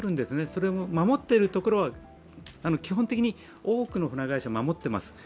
それを守っているところは、基本的に多くの船会社は守っています。